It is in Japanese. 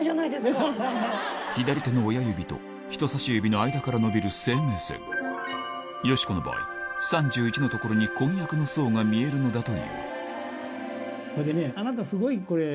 左手の親指と人さし指の間から伸びる生命線よしこの場合３１の所に婚約の相が見えるのだというそれでね。